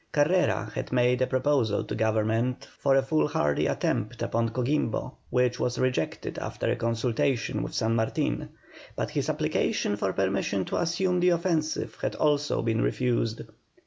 Carrera had made a proposal to Government for a foolhardy attempt upon Coquimbo, which was rejected after a consultation with San Martin, but his application for permission to assume the offensive had also been refused.